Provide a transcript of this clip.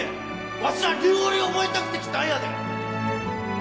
わしは料理覚えたくて来たんやで！